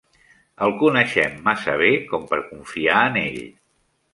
El coneixem massa bé com per confiar en ell.